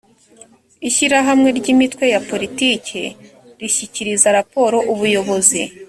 ishyirahamwe ry’imitwe ya politiki rishyikiriza raporo ubuyobozi